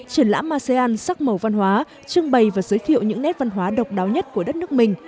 triển lãm asean sắc màu văn hóa trưng bày và giới thiệu những nét văn hóa độc đáo nhất của đất nước mình